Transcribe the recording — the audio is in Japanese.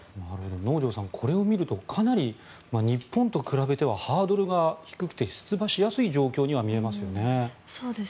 能條さん、これを見るとかなり日本と比べてはハードルが低くて出馬しやすい状況には見えますよね。